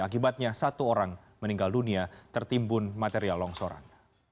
akibatnya satu orang meninggal dunia tertimbun material longsoran